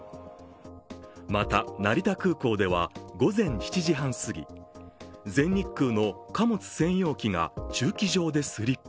また、成田空港では午前７時半すぎ、全日空の貨物専用機が駐機場でスリップ。